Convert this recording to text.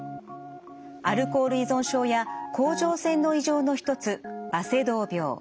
アルコール依存症や甲状腺の異常の一つバセドウ病。